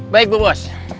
baik bu bos